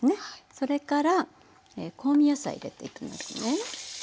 それから香味野菜入れていきますね。